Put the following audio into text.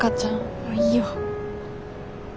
もういいよ。